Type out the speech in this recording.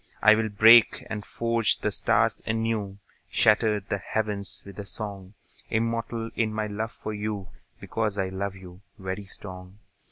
I'll break and forge the stars anew, Shatter the heavens with a song; Immortal in my love for you, Because I love you, very strong.